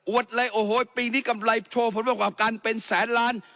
อวดเลยโอ้โหปีนี้กำไรโชคผลผลว่าการเป็นแสนล้าน